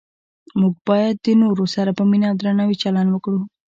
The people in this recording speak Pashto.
موږ باید د نورو سره په مینه او درناوي چلند وکړو